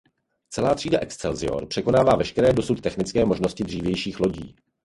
Celá třída Excelsior překonává veškeré dosud technické možnosti dřívějších lodí.